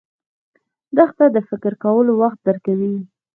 دښته د فکر کولو وخت درکوي.